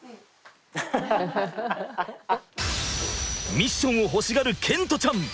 ミッションを欲しがる賢澄ちゃん。